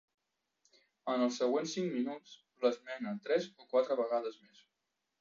En els següents cinc minuts l'esmena tres o quatre vegades més.